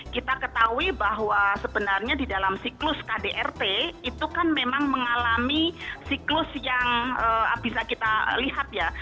kita ketahui bahwa sebenarnya di dalam siklus kdrt itu kan memang mengalami siklus yang bisa kita lihat ya